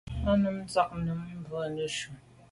A num ntshùag num mbwe neshu.